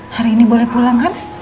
hari ini boleh pulang kan